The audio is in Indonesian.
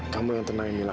kamu yang tenang ya mila